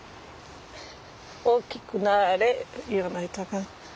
大きくなれ言わないとあかん。